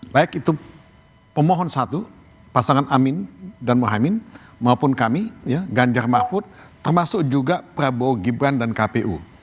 baik itu pemohon satu pasangan amin dan mohaimin maupun kami ganjar mahfud termasuk juga prabowo gibran dan kpu